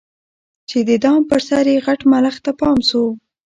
چي د دام پر سر یې غټ ملخ ته پام سو